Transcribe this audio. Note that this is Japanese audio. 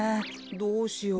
どうしよう。